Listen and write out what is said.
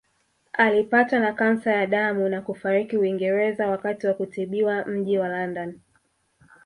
Alipatwa na kansa ya damu na kufariki Uingereza wakati wa kutibiwa mji wa London